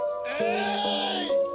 えい！